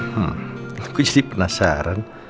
hmm aku jadi penasaran